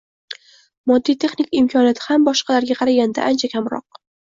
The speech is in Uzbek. moddiy-texnik imkoniyati ham boshqalarga qaraganda ancha kamroq